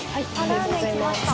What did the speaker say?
ラーメン来ました！